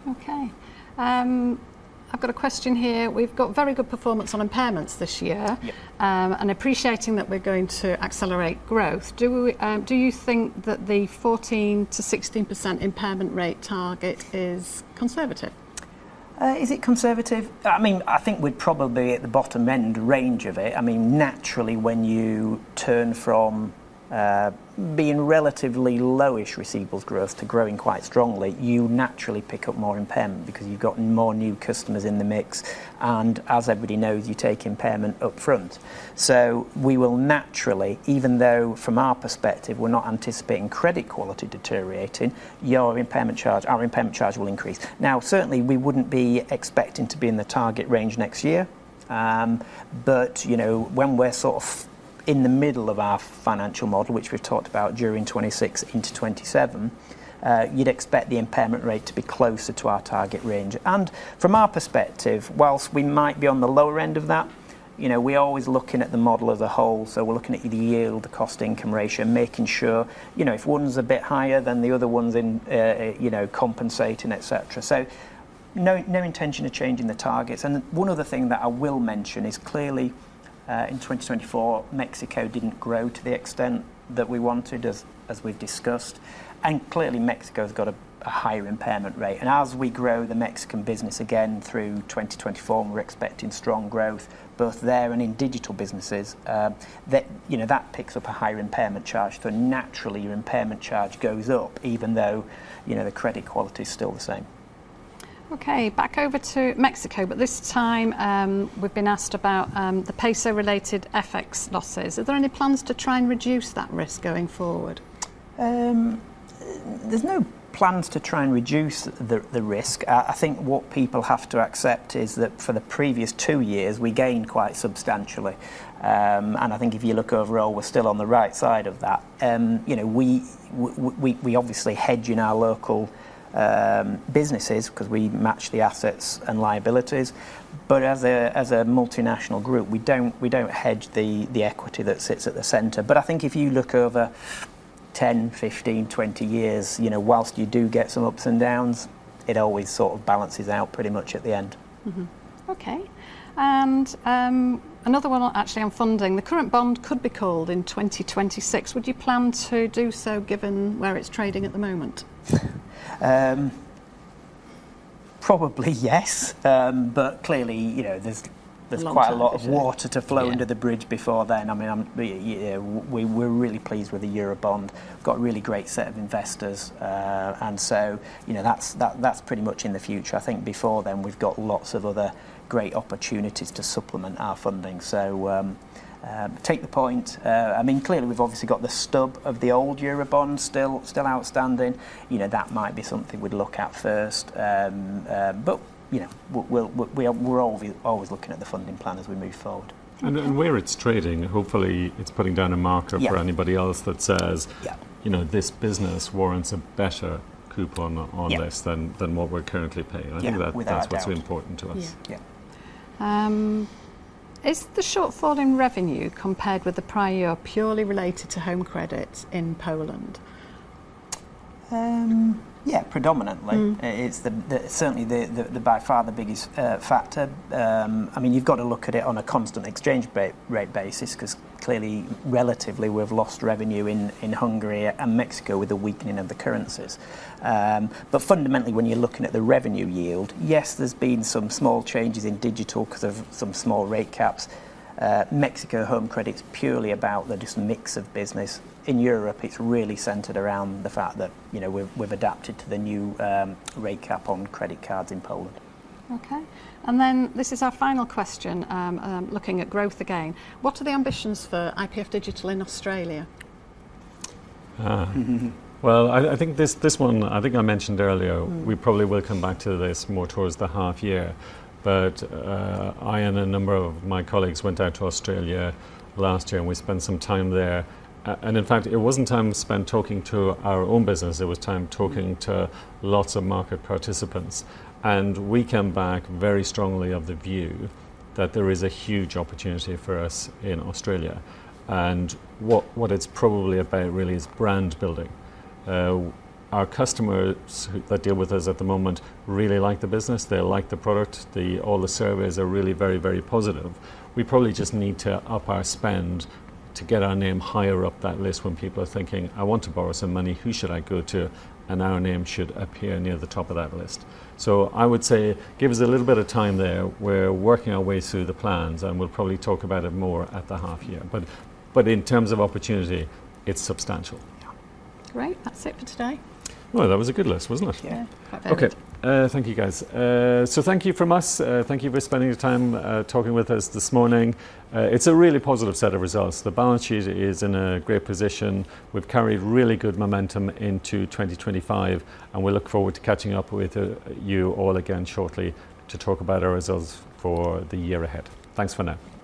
Okay. I've got a question here. We've got very good performance on impairments this year, and appreciating that we're going to accelerate growth. Do you think that the 14% to 16% impairment rate target is conservative? Is it conservative? I mean, I think we're probably at the bottom end range of it. I mean, naturally, when you turn from being relatively lowish receivables growth to growing quite strongly, you naturally pick up more impairment because you've got more new customers in the mix. And as everybody knows, you take impairment upfront. So we will naturally, even though from our perspective, we're not anticipating credit quality deteriorating, your impairment charge, our impairment charge will increase. Now, certainly, we wouldn't be expecting to be in the target range next year. But when we're sort of in the middle of our financial model, which we've talked about during 2026 into 2027, you'd expect the impairment rate to be closer to our target range. And from our perspective, whilst we might be on the lower end of that, we're always looking at the model as a whole. We're looking at the yield, the cost-income ratio, making sure if one's a bit higher than the other one's in compensating, etc. So no intention of changing the targets. One other thing that I will mention is clearly in 2024, Mexico didn't grow to the extent that we wanted, as we've discussed. Clearly, Mexico has got a higher impairment rate. As we grow the Mexican business again through 2024, we're expecting strong growth both there and in Digital businesses. That picks up a higher impairment charge. Naturally, your impairment charge goes up even though the credit quality is still the same. Okay. Back over to Mexico, but this time we've been asked about the peso-related FX losses. Are there any plans to try and reduce that risk going forward? There's no plans to try and reduce the risk. I think what people have to accept is that for the previous two years, we gained quite substantially, and I think if you look overall, we're still on the right side of that. We obviously hedge in our local businesses because we match the assets and liabilities, but as a multinational group, we don't hedge the equity that sits at the center, but I think if you look over 10, 15, 20 years, whilst you do get some ups and downs, it always sort of balances out pretty much at the end. Okay, and another one actually on funding. The current bond could be called in 2026. Would you plan to do so given where it's trading at the moment? Probably yes, but clearly there's quite a lot of water to flow under the bridge before then. I mean, we're really pleased with the Eurobond. We've got a really great set of investors, and so that's pretty much in the future. I think before then, we've got lots of other great opportunities to supplement our funding, so take the point. I mean, clearly, we've obviously got the stub of the old Eurobond still outstanding. That might be something we'd look at first, but we're always looking at the funding plan as we move forward. Where it's trading, hopefully, it's putting down a marker for anybody else that says this business warrants a better coupon on this than what we're currently paying. I think that's what's important to us. Yeah. Is the shortfall in revenue compared with the prior purely related to Home Credit in Poland? Yeah, predominantly. It's certainly by far the biggest factor. I mean, you've got to look at it on a constant exchange rate basis because clearly, relatively, we've lost revenue in Hungary and Mexico with the weakening of the currencies. But fundamentally, when you're looking at the revenue yield, yes, there's been some small changes in Digital because of some small rate caps. Mexico Home Credit's purely about the just mix of business. In Europe, it's really centered around the fact that we've adapted to the new rate cap on credit cards in Poland. Okay. And then this is our final question. Looking at growth again, what are the ambitions for IPF Digital in Australia? Well, I think this one I mentioned earlier, we probably will come back to this more towards the half year. But I and a number of my colleagues went out to Australia last year, and we spent some time there. In fact, it wasn't time spent talking to our own business. It was time talking to lots of market participants. We came back very strongly of the view that there is a huge opportunity for us in Australia. What it's probably about really is brand building. Our customers that deal with us at the moment really like the business. They like the product. All the surveys are really very, very positive. We probably just need to up our spend to get our name higher up that list when people are thinking, "I want to borrow some money. Who should I go to?" Our name should appear near the top of that list. I would say give us a little bit of time there. We're working our way through the plans, and we'll probably talk about it more at the half year. But in terms of opportunity, it's substantial. Yeah. Great. That's it for today. Well, that was a good list, wasn't it? Yeah. Perfect. Okay. Thank you, guys. So thank you from us. Thank you for spending your time talking with us this morning. It's a really positive set of results. The balance sheet is in a great position. We've carried really good momentum into 2025, and we look forward to catching up with you all again shortly to talk about our results for the year ahead. Thanks for now. Cheers. Thank you.